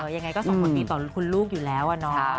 ยังไงก็ส่งผลดีต่อคุณลูกอยู่แล้วอะเนาะ